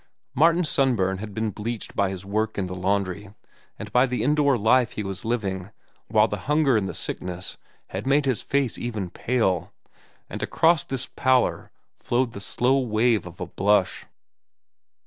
Martin's sunburn had been bleached by his work in the laundry and by the indoor life he was living, while the hunger and the sickness had made his face even pale; and across this pallor flowed the slow wave of a blush.